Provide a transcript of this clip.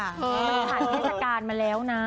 มันผ่านเทศกาลมาแล้วนะ